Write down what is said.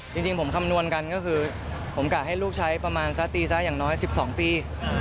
จริงผมคำนวณกันก็คือผมกะให้ลูกใช้ประมาณสักตีซะอย่างน้อย๑๒ปี